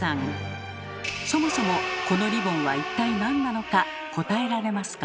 そもそもこのリボンは一体なんなのか答えられますか？